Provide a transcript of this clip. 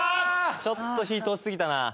ちょっと火通しすぎたな。